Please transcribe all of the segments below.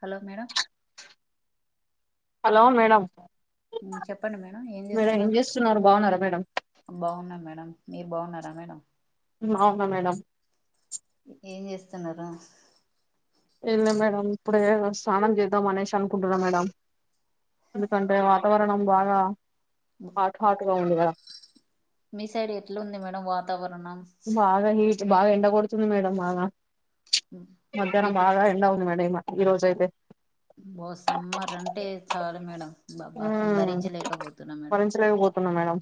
Hello madam hello madam madam ఏం చేస్తున్నారు బాగున్నారా మేడం బాగున్నాం మేడం మీరు బాగున్నారా మేడం బాగున్నా మేడం ఏం చేస్తున్నారు ఏంలే మేడం ఇప్పుడే స్నానం చేద్దాం అనేసి అనుకుంటున్నా మేడం ఎందుకంటే వాతావరణం బాగా హాట్ హాట్ గా ఉంది కదా మీ సైడ్ ఎట్లా ఉంది మేడం వాతావరణం బాగా హీట్ బాగా ఎండ కొడుతుంది మేడం బాగా మధ్యాహ్నం ఇప్పుడు బాగా ఎండ వుంది మేడం ఇ ఈ రోజ అయితే ఓ సమ్మర్ అంటే చాలు మేడం బ బ ఉమ్ భరించలేకపోతున్నాం మేడం భరించలేకపోతున్నా మేడం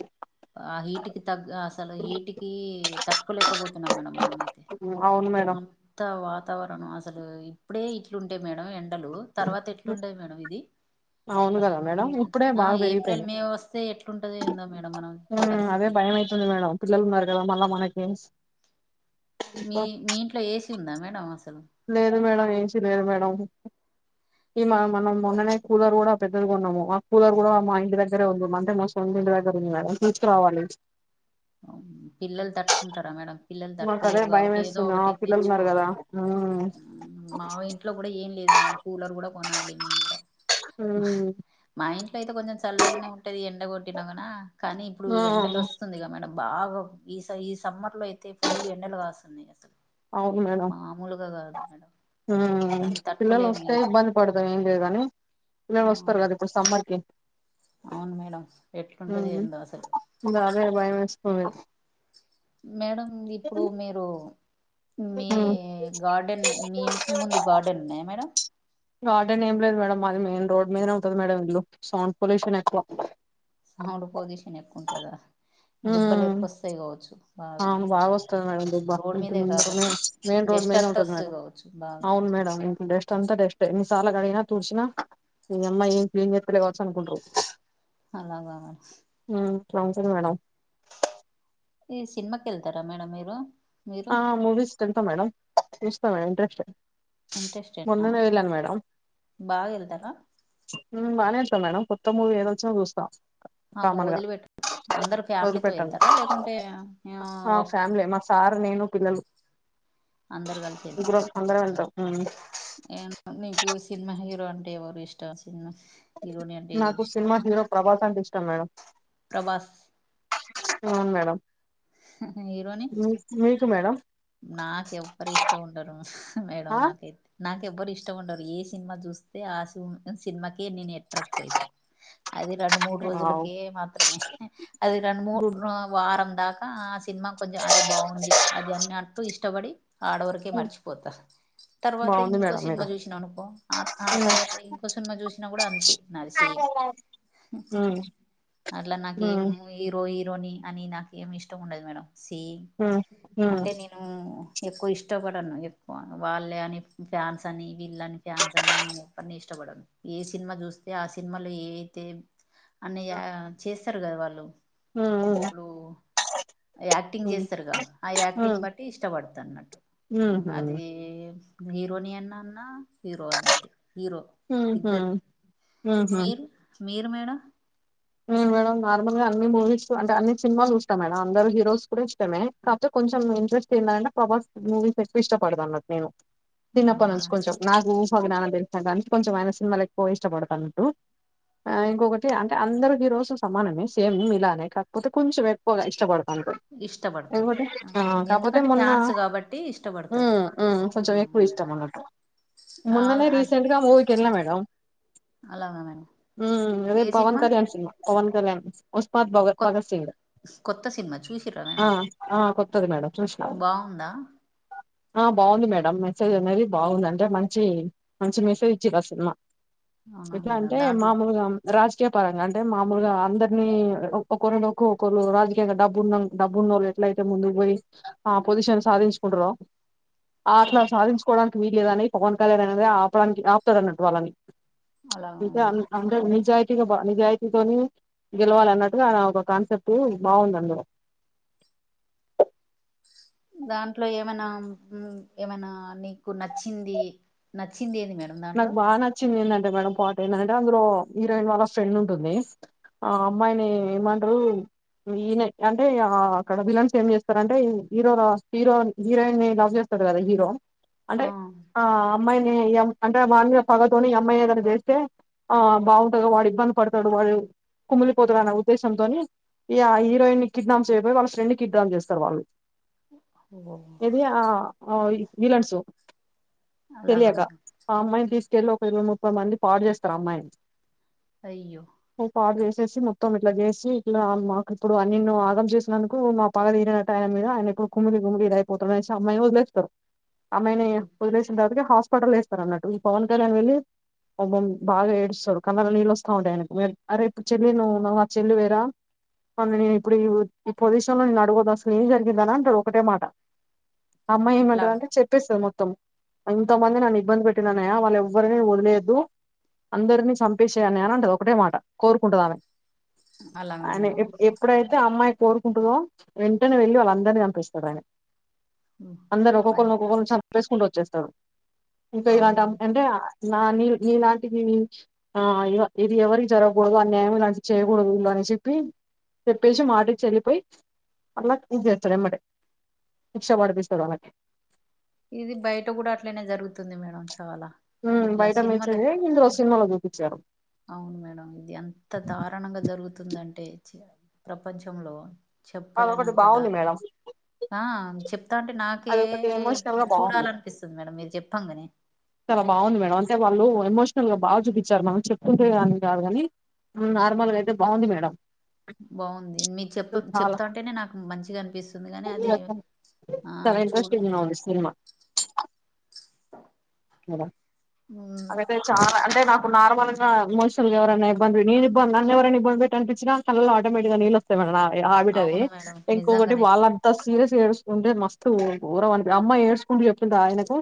ఆ హీట్ కి తగ్గ అసలు హీటికి తట్టుకోలేకపోతున్నాం మేడం మనమైతే ఉమ్, అవును మేడం అంత వాతావరణం అసలు ఇప్పుడే ఇట్లుం డే మేడం ఎండలు తర్వాత ఉమ్, ఎట్లుండేది మేడం ఇది అవును కదా అసలు మేడం ఇప్పుడే ఆ బాగా ఏప్రిల్ పెరిగిపోయింది మే వస్తే ఎట్లుంటదో ఏందో మేడం మనం ఉమ్ అదే పరిస్థితి భయం అయితుంది మేడం పిల్లలు ఉన్నారు కదా మళ్ళా మనకి మీ మీ ఇంట్లో ఏసీ ఉందా మేడం అస్ లేదు మేడం ఏసి లేదు మేడం ఈ మ మనం మొన్ననే కూలర్ కూడా పెద్దది ఉన్నము ఆ కూలర్ కూడా మా ఇంటి దగ్గరే ఉంది అంటే మా సొంతింటి దగ్గ ర ఉంది మేడం తీసుకురావాలి పిల్లలు తట్టుకుంటారా మేడం పిల్లలు మాకు అదే తట్టుకోలేరు భయం కాబట్టి ఏదో వేస్తుంది ఆ ఒకటి పిల్లలు ఉన్నారు కదా తెచ్చుకోవాలి మ్మ్ మా ఇంట్లో కూడా ఏం లేదు మేడం కూలర్ కూడా కొనాలి మేము కూడా మ్మ్ మా ఇ అయితే కొంచెం చల్లగానే ఉంటది ఎండ కొట్టిన గానా కానీ ఇప్పుడు ఆ ఎండలు వస్తుందిగా మేడం బాగా ఈ స ఈ సమ్మర్ లో అయితే ఫుల్ ఎండలు కాస్తున్నాయి అసలు అవును మేడం మామూలుగా కాదు మేడం ఉమ్ కానీ పిల్లలు తట్టుకోలేము వస్తే ఈ- ఇబ్బంది పడతాం ఏం లేదు గని పిల్లలు ఆ, వస్తారు కదా ఇప్పుడు సమ్మర్ కి అవును మేడం ఎట్లుంటది ఉమ్ ఏందో అసలు ఇగ అదే భయం వేస్తోంది మేడం ఇప్పుడు మీరు మీ మ్మ్ గార్డెన్ మీ ఇంటి ముందు గార్డెన్ ఉన్నాయా మేడం గార్డెన్ ఏం లేదు మేడం మాది మెయిన్ రోడ్ మీదనే ఉంటంది మేడం ఇల్లు సౌండ్ పొల్యూషన్ ఎక్కువ ఉంటది కదా దుబ్బలు మ్మ్ ఎక్కువ వస్తాయి కావచ్చు బాగా అవును బాగ వస్తది మేడం దుబ్బా రోడ్ ఇంట్ర మీదే ముందలనె కాబట్టి మెయిన్ రోడ్ డస్ట్ మీదనే అంతా ఉంటది వస్తది మేడం కావచ్చు బాగా అవున్ మేడం ఇంక డస్ట్ అంత డస్టె సాల కడగిన తుడ్చినా ఇగ అమ్మాయి ఏం చెతులే కావచ్చు అనుకుంట్రు అలాగ [unintelligible] మేడం ఈ సినిమకి ఎళ్తార మేడం మీరు మీరు ఆ మూవీస్ కెళ్తా మేడం ఇష్టమే ఇంట్రెస్టె ఇంట్రెస్టేనా మొన్ననే వెళ్లాన్ మేడం బాగా వెళ్తారా ఉమ్ బానే చూస్తా మేడం కొత్త మూవీ ఏదొచ్చిన చూస్తా ఆమో కామన్ గా వదిలిపెట్ అందరు ఫ్యామిలీతో వదిలిపెట్టాను వెళ్తార లేకుంటే ఆ ఫ్యామిలీ మా సార్ నేను పిల్లలు ఇద్దరు అందరం వెళ్తాం ఉమ్ ఏమ్ నీకు సినిమా హీరో అంటే ఎవరు ఇష్టం సినిమా హీరోని అంటే ఎవరు నాకు ఇష్టం సినిమా హీరో ప్రభాస్ అంటె ఇష్టం మేడం ప్రభాస్ అవున్ మేడం మీ మీకు మేడం నాక్ ఎవ్వర్ ఇష్టం ఉండరు మేడం ఆ నాకైతే నాక్ ఎవ్వరు ఇష్టం ఉండరు ఏ సినిమా చూస్తే ఆ సినిమాకే నేను ఎట్రాక్ట్ అయితా అది రెండు మూడు వావ్ రోజులకే మాత్రమే అది రెం మూడు గుడ్ వారం దాకా సినిమా కొంచెం అరే బాగుంది అది అన్నట్టు ఇష్టపడి ఆడవరకే మర్చిపోతా తర్వాత బాగుంది ఇంకో మేడం సినిమా మీరు చూసినా అనుకో ఆ ఉమ్ తర్వాత ఇంకో సినిమా చూసినా కూడ అంతే నాది సమ్ నేను అట్ల నాకేం హీరో హీరో యిని అని నాకేం ఇష్టం ఉండదు మేడం సి హుమ్ హు అంటే నేను ఎక్కువ ఇష్టపడను ఎక్కువ వాళ్ళే అని ఫ్యాన్స్ అని వీళ్ళని ఫ్యాన్స్ అని నేను చె అన్నీ ఇష్టపడను ఏ సినిమా చూస్తే ఆ సినిమాలో ఏవయితే అన్నయ చేస్తారు కదా వాళ్ళు ఇప్పుడు యాక్టింగ్ చేస్తారుగా ఆ యాక్టింగ్ బట్టి ఇష్టపడుతన్నట్టు అది హీరోని అన్నా అన్నా హీరో అంతే హీరో ఇద్దర్ని మీరు మీరు మేడం ఉమ్ మేడం నార్మల్ గా అన్ని మూవీస్ అంటే అన్ని సినిమాలు చూస్తాం మేడం అందరూ హీరోస్ కూడా ఇష్టమే కాకపోతే కొంచెం ఇంట్రెస్ట్ ఎంది అంటే పబాస్ మూవీస్ ఎక్కువ ఇష్టపడదన్నట్టు నేను చిన్నప్ప నుంచి కొంచెం నాకు జ్ఞాన తెిన కొంచెం ఆయన సినిమాలు ఎక్కువ ఇష్టపడుత అట్టు ఇంకొకటి అంటే అందరు ఈ రోజు సమానమే సేమ్ ఇలానే కాకపోతే కొంచెం ఎక్కువగా ఇష్టపడ అ ఇష్టపడతారు ఇంకోటి కాకపోతే ఎందుకంటే మొన్న ఫ్యాన్స్ కాబట్టి ఇష్టపడతారు ఉమ్ మ్కొంచెం ఎక్కువ ఇష్టం అన్నట్టు ఆ మొన్ననే రీసెంట్గా మూవకి వెెళ్ల మేడం అలాగా మేడం అదే ఏ పవన్ సినిమా కళ్యాణ్ సినిమా పవన్ కళ్యాణ్ ఉస్మాద్ భగత్ కొత్ భగత్ సింగ్ కొత్త సినిమా చూసిర్రా అ మేడం ఆ కొత్తది మేడం చూసినా బాగుందా ఆ బాగుంది మేడం మెసేజ్ అనేది బాగుంది అంటే మంచి మంచి మెసేజ్ ఇచ్చిండ్రు ఆ సినిమా అవునా ఎట్లా మేడం అంటే దాంట్లో మామూల్గా రాజకీయ పరంగా అ అంటే మామూలగా అందరినీ ఒక్కొక్కరి ఒక్కొక్కరుు రాజకీయ డబ్బున్న డబ్బు ఉన్నళ్ళు ఎట్ల అయితే ముందు పోయి ఆ పొజిషన్ సాధించు కుంటరో అట్ల అలా సాధించుకోవడానికి వీల్లేదని పవన్ కళ్యాణ్ అనేది ఆపడానికి ఆపుతడ అన్నట్టు వాళ్ళని అలాగా ఇక మేడం అం అందరు నిజాయితేగా నిజాయి తోని గెలవాలన్నట్టుగా ఆ ఒక కాన్సెప్ట్ బాగుంది అందులో [inaudible] దాంట్లో ఏమనా ఏమైనా నీకు నచ్చింది నచ్చి నాకు బాగా నచ్చింది ఏంటంటే మేడం పాట ఏంటంటే అందులో హీరోయిన్ వాళ్ళ ఫ్రెండ్ ఉంటుంది ఆ అమ్మాయిని ఏమంట్రు ఈనే అంటే అక్కడ విలన్స్ ఏం చేస్తార అంటే హీరో హీరో హీరోయిన్ ని లవ్ చేస్తా తథ కదా హీరో అంటే ఆ ఆ అమ్మాయిని ఎ అంటే వాన్ని మీద పగతోని ఈ అమ్మాయిని ఏదైనా చేస్తే ఆ బాగుంటది వాడు ఇబ్బంది పడతాడు వాడు కుమిలిపోతాదని ఉద్దేశంతోని ఈ ఆ హీరోయిన్ ని కిడ్నాప్ చేయబోయి వాళ్ళ ఫ్రెండ్ ని కిడ్నాప్ చేస్తారు వాడు ఓ ఆ ఈ విలన్స్ అలాగా తెలియక ఆ అమ్మాయిని తీసుకెళ్లి ఒక ఇరవై ముప్పై మంది పాడు చేస్తారు అమ్మాయిని అయ్యో చేసి మొత్తం ఇట్లా చేసి ఇట్లా మాకు ఇప్పుడు నిన్ను ఆగం చేసినందుకు మా పగ తీరినట్టు అయింది ఆయన కుమిలి కుమిలి ఇది అయిపోతాడు అనేసి అమ్మాయిని వదిలేస్తారు అమ్మాయిని వదిలేసిన తవాత హాస్పిటల్ అన్నట్టు ఈ పవన్ కళ్యాణ్ వెళ్ళి బ బాగా ఏడుస్తాడు కళ్ళలో నీళ్ళు వస్తా ఉంటయి ఆయనకు అరే చెల్లి నువ్వు చెల్లి వేరా అ నేను ఇప్పుడు ఈ ఈ పొజిషన్ లో నేను అడుగను అసలు ఏం జరిగింద అని అంటారు ఒకటే మాట అమ్మాయి అలా ఏమంటాది అంటే చెప్పేస్తాది మొత్తం అంతమంది నన్ను ఇబ్బంది పెట్టిండ్రు అన్నయ్య వాళ్ళు ఎవ్వరినా వదిలేయద్దు అందరినీ చంపేసేయ్ అన్నయ్య అని అంటది ఒకటే మాట కోరుకుంటది ఆమె అలాగా అని మేడం ఎ ఎప్పుడైతే అమ్మాయి కోరుకుంటదో వెంటనే వెళ్ళి వాళ్ళందరినీ చంపేస్తారు ఆయన మ్, అందరు ఒక్కొక్కరిని మం- ఒక్కొక్కరిని సంపేసుకుంటూ వచ్చేస్తారు ఇంకా ఇలాంటి అవును అంటే నా నీ నీలాంటి నీ ఆ ఇది ఎవరికి జరగకూడదు ఆ అన్యాయం ఇలాంటి చేయకూడదు ఇలానీ చెప్పి చెప్పేసి మాట ఇచ్చి వెళ్ళి మళ్ళ ఇది చేస్తాడు అనమాట శిక్ష పడిపిస్తాడు వాళ్ళకి ఇది బయట కూడా అట్లనే జరుగుతుంది మేడం చాలా ఊ ఇట్లా బయట సినిమాలు మీల్చదే ఇందలో సినిమాలో చూపి అవును మేడం ఇది అంత దారుణంగా జరుగుతుందంటే చీ ప్రపంచంలో అదొకటి చెప్పలేనంత బాగుంది దారు మేడం ఆ చెప్తాంటే నాకే అదొకటి ఎమోషనల్ గా బాగుంది చూడాలనిపిస్తుంది మేడం మీరు చెప్పంగానే చాలా బాగుంది మేడం అంటే వాళ్ళు ఎమోషనల్ గా బాగా చూపించారు మనం చెప్పుతుంటే కాదు కాని నార్మల్ గా అయితే బాగుంది మేడం బాగుంది మీ చెప్ప అసలు చెప్ చాలా అంటేనే నాకు మంచిగా అనిపిస్తుంది గానీ అది ఆ చాలా చూడు ఇంట్రెస్టింగ్ గా ఉంది సినిమా మేడం ఉమ్, అదైతే చాలా అంటే నాకు నార్మల్గా ఎమోషా ఎవరన్న ఇబ్బంది నేను ఇబ్బంది నన్ను ఎవరైనా ఇబ్బంది పెట్టీ అనిపించిన కళల్లో ఆటోమెటిగ్గా నీళ్ళు వస్తాయి ఆవిడది అవును మేడం ఇంకొకటి నిజంగానే వాళ్ళంతా సీరియస్ ఏడ్చుకుంటే మస్తు ఊరం అనిపి అమ్మాయి ఏడ్చుకుంటూ చెప్పింది ఆయనకు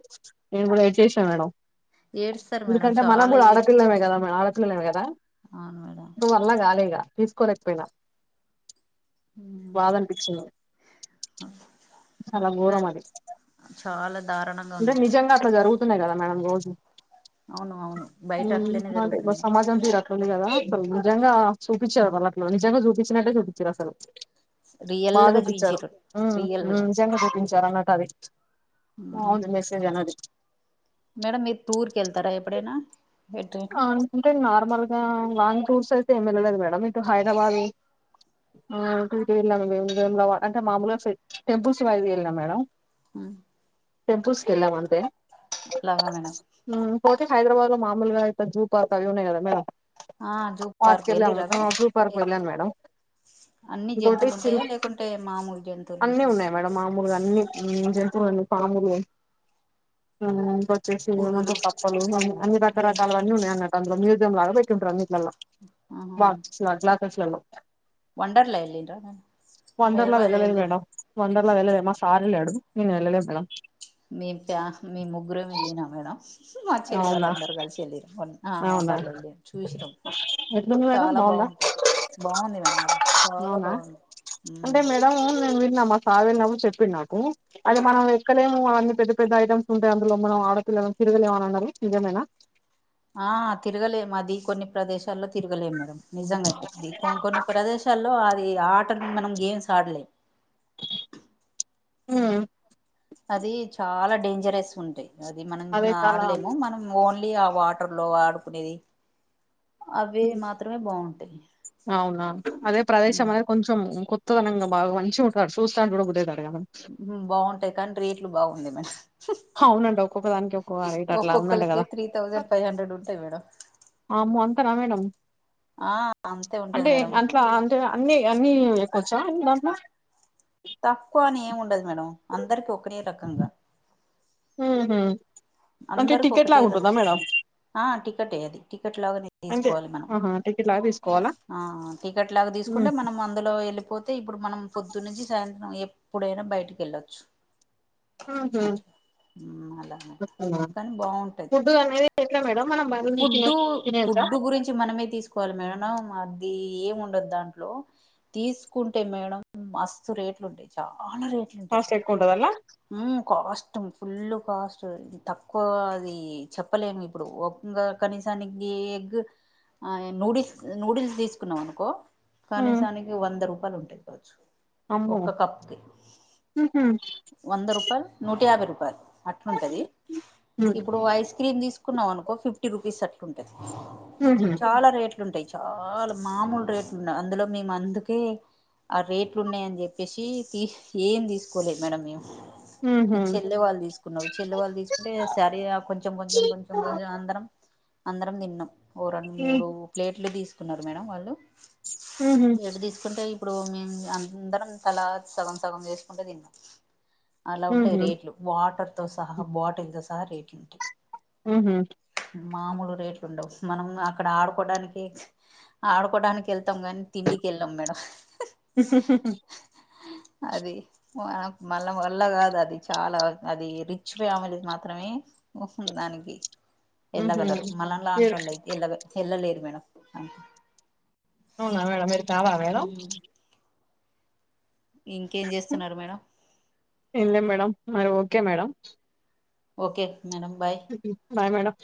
నేను కూడా ఏడ్చేశాను మేడం ఏడుస్తారు మేడం ఎందుకంటే మనం చాలా కూడా ఏడు ఆడపిల్లమే కదా మ ఆడపిల్లేలమే కదా అవును మేడం నా వల్ల కాలే ఇగ తీసుకోలేకపోయినా ఉమ్, బాధ అనిపించింది చాలా ఘోరం కానీ అది చాలా దారుణంగా అంటే ఉంది మేడం నిజంగా అట్లా జరుగుతు తున్నాయి కదా మేడం రోజు అవును అవును బయట అట్లనే ఊ జరుగుతుంది సమాజం తిరు ఉంది కదా దాల్ నిజంగా చూపించారు వాళ్ళ అట్లు నిజంగా చూపించినట్టే చూపించారు అసలు రియల్ బాగా గా చూపించారు చూయించిరు రియల్ ఉ నిజంగా చూపించారు అన్నట్టు అది ఉ బాగుంది మెసేజ్ అనేది మేడం మీరు టూర్ కి వెళ్తారా ఎప్పుడైనా ఎటైనా అంటే నార్మల్ గా లాంగ్ టూర్స్ అయితే ఏమి వెళ్ళలేదు మేడం ఇటు హైదరాబాదు ఆ [unintelligible] మేము వేములవాడ అంటే మామూలుగా టెంపుల్స్ బయలుదేరినం మేడం టెంపుల్స్ కెళ్ళం అంతే అలాగా మేడం ఉ హైదరాబా లో మామలుగా జూ పార్క్ అవి ఉన్నాయి కదా మేడం ఆ జూ పార్క్ వెళ్ళాం వెళ్ళిరా ఆ జూ పార్క్ వెళ్ళాను మేడం అన్ని ఇంకోటి జంతువులు ఉంటాయా సిల్ప్ లేకుంటే మామూలు జంతువులు అన్ని ఉంటాయా ఉన్నాయి మేడం మామూలుగా అన్ని హ్మ్ జ తురొండు పామురిఎ మ్మ్ ఇంకోచ్చెసి ఏమంటే పులులు కప్పలు మళ్ళీ అన్ని రకర పులులు కాలవన్నీ ఉన్నాయి అన్నట్టు అందులో మ్యూజియం లాగా పెట్టింటారు అన్నిట్లలో ఆహా బాక్స్ల్ గ్లాసెస్లలో వండర్లా వెళ్ళిండ్రా మేడం వండర్లా హైదరాబాద్ వెళ్ళలేదు వెళ్ళిరు మేడం వండర్లా వెళ్ళలే మా సార్ ఏళ్ళాడు నేను ఎళ్లలేదు మేడం మే ఫ్యా మేమ్ ముగ్గురమే వెళ్ళిన మేడం మా చెల్లి వాళ్ళ అవునా అందరూ కలిసి ఎళ్ళిర్రు మొన్న ఆ అవునా వండర్లా ఎళ్ళి చూసిరు ఎట్లుంది మేడం చాలా బాగుందా బాగుంటది బాగుంది మేడం అడ చాలా అవునా బాగుంది అంటే మేడం నేను విన్నా మా ఫాదర్ నాకు చెప్పిండు నాకు అది మనం ఎక్కలేము అవన్నీ పెద్ద పెద్ద ఐటమ్స్ ఉంటాయి అందులో మనం ఆడపిల్ల తిరుగలేవని అన్నారు నిజమేనా ఆ తిరగలేము అది కొన్ని ప్రదేశాల్లో తిరగలేము మేడం నిజంగే ఇది కొ కొన్ని ప్రదేశాల్లో అది ఆట మనం గేమ్స్ ఆడ్లే మ్మ్ అది చాలా డేంజరస్ ఉంటాయి అది మనం అదే చాలా ఆడ్లేము మనం ఓన్ లి ఆ వాటర్లో ఆడుకునేది అవి మాత్రమే బాగుంటాయి అవునా అదే ప్రదేశం అనేది కొంచెం కొత్తదనంగా బాగా మంచిగా ఉంటడు సుస్తాంటే సుడాబుద్ధేయితాం మ్మ్ బాగుంటాయి కానీ రేట్లు బాగుంది మ అవునండి ఒక్కొక్కదానికి ఒక్కోక రైట్ అట్లా ఉందంట ఒక్కొక్కరికే కదా త్రీ థౌజండ్ ఫైవ్ హండ్రెడ్ ఉంటాయి మేడం ఆమో అంతనా మేడం ఆ అంతే ఉంటాయి అంటే మేడం అట్లా అంటే అన్ని అన్ని ఎక్కోచ్చా దాంట్లో తక్కువ అని ఏం ఉండదు మేడం అందరికి ఒకనేే రకంగా ఉహు అంటే అందరికి ఒకటే టికెట్లాగా ఉంటుందా మేడం ఆ టికెటే అది టికెట్ లాగానే అంతే తీసుకోవాలి మనం ఆహా టికెట్ లాగా తీసుకోవాలా ఆ ఆ టికెట్ లాగా తీసుకుంటే హ్మ్. మనం అందులో ఎళ్ళిపోతే ఇప్పుడు మనం పొద్దునుంచి సాయంత్రం ఎప్పుడైనా బయటకి ఎళ్ళొచ్చు ఉహు అట్ల హ్మ్ అలానైతా అట్లనా. ఫుడ్ అనేది ఎట్లా మేడం మనం బయట నుంచి తిన ఫుడ్డు తినేయొచ్చా ఫుడ్డు గురించి మనమే తీసుకోవాలి మేడం అది ఏం ఉండదు దాంట్లో తీసుకుంటే మేడం మస్తు రేట్లుంటాయ్ చాలా రేట్లు ఉంటాయి కాస్ట్ ఎక్కువుంటదాంట్ల మ్మ్ కాస్ట్ ఫుల్ కాస్ట్ తక్కువ అది చెప్పలేము ఇప్పుడు ఇంగ కనీసానికి ఎగ్ ఆ నూడిల్స్ నూడిల్స్ తీసుకున్నాం అనుకో హ్మ్. కనీసానికి వంద రూపాయలు ఉంటాయి కావచ్చు అమ్మో ఒక్క కప్పుకి ఉహు వంద రూపాయలు నూట యాభై రూపాయలు అట్లుంటది హ్మ్. ఇప్పుడు ఐస్ క్రీమ్ తీసుకున్నవానుకో ఫిఫ్టీ రుపీస్ అట్లుంటాది ఉహు చాలా రేట్లు ఉంటాయి చాలా మామూలు రేట్లు ఉన్న అందులో మేము అందుకే ఆ రేట్లు ఉన్నాయని చెప్పేసి తి ఏం తీసుకోలేదు మేడం మేము మ్మ్ చెల్లె వాళ్ళు తీసుకున్నారు చెల్లె వాళ్ళు తీసుకుంటే సరే కొంచెం కొంచెం కొంచెం కొంచెం అందరం అందరం తిన్నాం ఓ రెండు మూడు ప్లేట్లు తీసుకున్నారు మేడం వాళ్ళు ఉహు ఎడ తీసుకుంటాయి ఇప్పుడు మేము అందరం తలాకి సగం సగం చేసుకుంటు తిన్నాం అలా ఉంటాయి ఉహు రేట్లు వాటర్ తో సహా బాటిల్ తో సహా రేట్ మ్మ్ హ్మ్ మామూలు రేట్లు ఉండవు మనం అక్కడ ఆడుకోడానికి ఆడుకోడానికి ఎళ్తాం కాని తిండి కేల్లం మేడం మ్మ్హ్ మ్మ్హ్ మ్మ్హ్ అది వన మళ్ళా వల్ల కాదు అది చాలా అది రిచ్ ఫ్యామిలీ మాత్రమే దానికి వెళ్ళగలరు మనం లా ఉంట మీరు వాళ్ళు అయితే వెళ్ళ ఎల్ళలేరు [inaudible] అవునా మేడం మీరుతావా మేడం ఇంకేం చేస్తున్నారు మేడం ఎం లేమేడం మరి okay madam okay madam bye bye madam